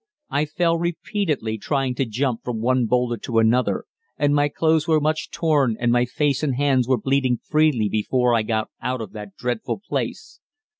I fell repeatedly trying to jump from one boulder to another, and my clothes were much torn and my face and hands were bleeding freely before I got out of that dreadful place.